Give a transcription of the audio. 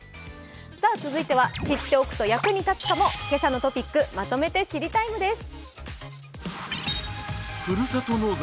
続いては知っておくと役に立つかも「けさのトピックまとめて知りＴＩＭＥ，」です。